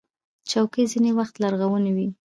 چوکۍ ځینې وخت لرغونې وي.